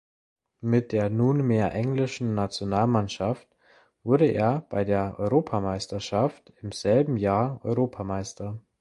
Mit der nunmehr englischen Nationalmannschaft wurde er bei der Europameisterschaft im selben Jahr Europameister.